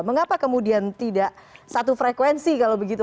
mengapa kemudian tidak satu frekuensi kalau begitu